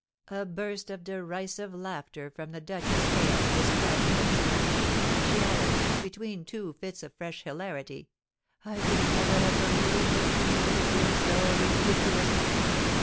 A burst of derisive laughter from the duchess hailed this tragic exclamation, and she added, between two fits of fresh hilarity: "I could never have believed infamy could appear so ridiculous!"